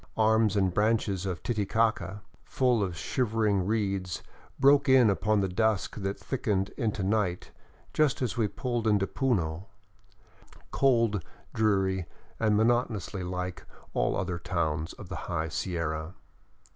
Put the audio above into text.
Arms and branches of Titicaca, full of shivering reeds, broke in upon the dusk that thickened into night just as we pulled into Puno, cold, dreary, and monotonously like all other towns of the high Sierra.